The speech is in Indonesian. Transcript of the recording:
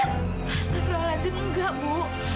astagfirullahaladzim enggak bu